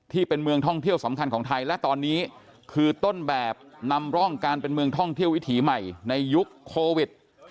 ที่เป็นเมืองท่องเที่ยวสำคัญของไทยและตอนนี้คือต้นแบบนำร่องการเป็นเมืองท่องเที่ยววิถีใหม่ในยุคโควิด